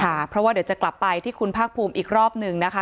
ค่ะเพราะว่าเดี๋ยวจะกลับไปที่คุณภาคภูมิอีกรอบหนึ่งนะคะ